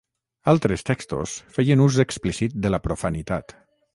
Altres textos feien un ús explícit de la profanitat.